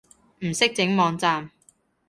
唔識整網站